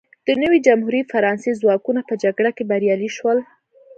د نوې جمهوري فرانسې ځواکونه په جګړه کې بریالي شول.